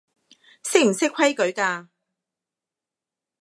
識唔識規矩㗎